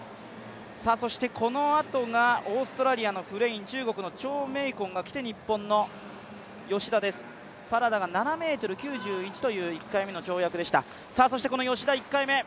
そしてこのあとが、オーストラリアのフレイン、中国の張溟鯤が来て、日本の吉田です、パラダが７ｍ９１という１回目の跳躍でした、そして吉田１回目。